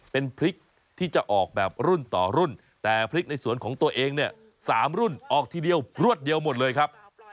เป็นพริกที่จะออกแบบรุ่นต่อรุ่นแต่พริกในสวนของตัวเองเนี่ย๓รุ่นออกทีเดียวรวดเดียวหมดเลยครับ